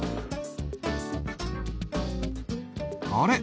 あれ？